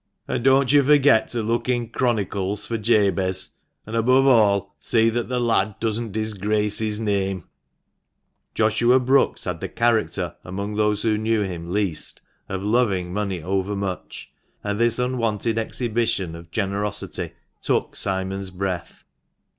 And don't you forget to look in ' Chronicles ' for Jabez ; and, above all, see that the lad doesn't disgrace his name." THE MANCHESTER MAN. 27 Joshua Brookes had the character, among those who knew him least, of loving money overmuch, and this unwonted exhibi tion of generosity took Simon's breath.